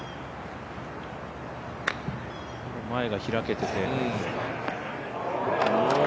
前が開けてて。